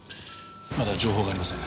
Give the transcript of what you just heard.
まだ情報がありません。